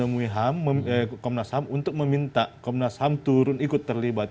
kami hari ini sudah dua kali menemui komnas ham untuk meminta komnas ham turun ikut terlibat